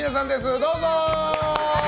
どうぞ！